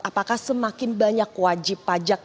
apakah semakin banyak wajib pajak